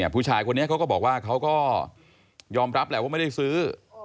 ผู้ชายคนนี้เขาก็บอกว่าเขาก็ยอมรับแหละว่าไม่ได้ซื้อ